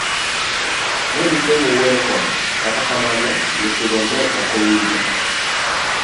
Negitemo wuoyo kode kata kamano wechego ne okowinjo.